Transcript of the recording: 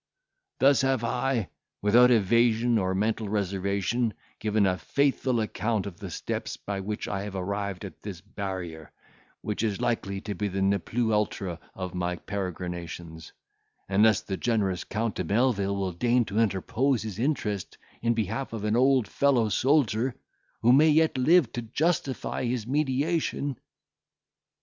"Thus have I, without evasion or mental reservation, given a faithful account of the steps by which I have arrived at this barrier, which is likely to be the ne plus ultra of my peregrinations, unless the generous Count de Melvil will deign to interpose his interest in behalf of an old fellow soldier, who may yet live to justify his mediation."